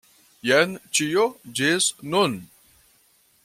Jen ĉio, ĝis nun.